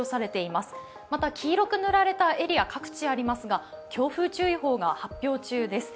また、黄色く塗られたエリア、各地ありますが、強風注意報が発表中です。